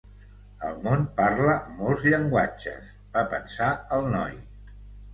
El món parla molts llenguatges, va pensar el noi.